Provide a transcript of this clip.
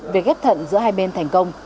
việc ghép thận giữa hai bên thành công